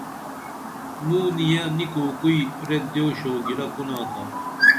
موں نیہ نی کوکُئی ریت دیو شوگِرہ کُنا تا